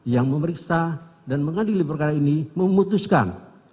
yang memeriksa dan mengadili perkara ini memutuskan